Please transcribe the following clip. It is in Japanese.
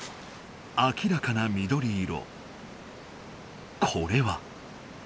明らかな緑色これは。